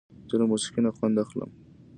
زه له موسیقۍ نه خوند اخلم.